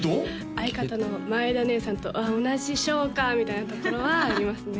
相方の前田ねえさんとあ同じ賞かみたいなところはありますね